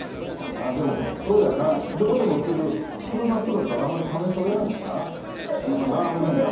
でもそうだよなどこでも売ってる普通の納豆だったらあまり金取れないもんな。